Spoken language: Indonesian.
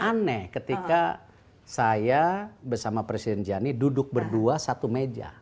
aneh ketika saya bersama presiden jani duduk berdua satu meja